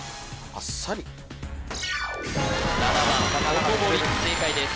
あっさり７番ほとぼり正解です